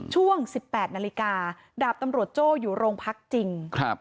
ช่วง๑๘นาฬิกาดาบตำรวจโจ้อยู่โรงพักจริง